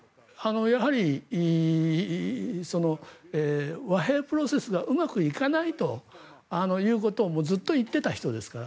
やはり和平プロセスがうまくいかないということをずっと言っていた人ですから。